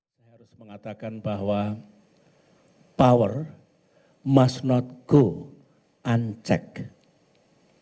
saya harus mengatakan bahwa power must not go uncek